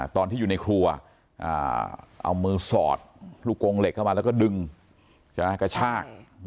ตอนที่อยู่ในครัวเอามือสอดลูกกงเหล็กเข้ามาแล้วก็ดึงกระชาก